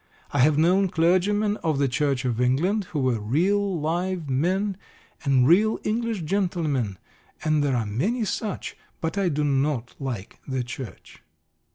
I have known clergymen of the Church of England who were real live men, and real English gentlemen, and there are many such; but I do not like the Church.